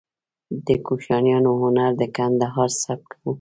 د کوشانیانو هنر د ګندهارا سبک و